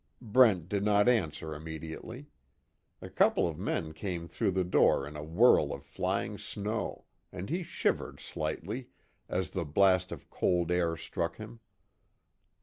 Brent did not answer immediately. A couple of men came through the door in a whirl of flying snow, and he shivered slightly, as the blast of cold air struck him.